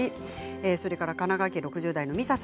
それから神奈川県６０代の方。